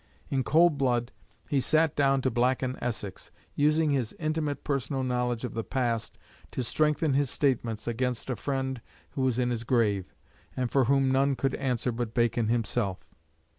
In cold blood he sat down to blacken Essex, using his intimate personal knowledge of the past to strengthen his statements against a friend who was in his grave, and for whom none could answer but Bacon himself.